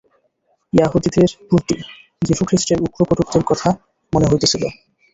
য়াহুদীদের প্রতি যীশুখ্রীষ্টের উগ্র কটূক্তির কথা মনে হইতেছিল।